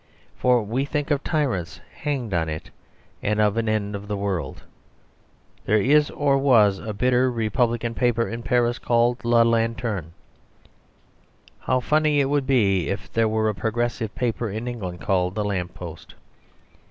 For we think of tyrants hanged on it, and of an end of the world. There is, or was, a bitter Republican paper in Paris called LA LANTERNE. How funny it would be if there were a Progressive paper in England called THE LAMP POST!